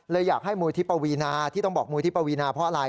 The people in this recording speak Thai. อยากให้มูลที่ปวีนาที่ต้องบอกมูลที่ปวีนาเพราะอะไร